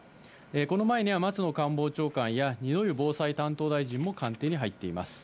この前には松野官房長官や二之湯防災担当大臣も官邸に入っています。